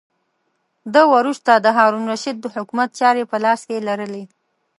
ده وروسته د هارون الرشید د حکومت چارې په لاس کې لرلې.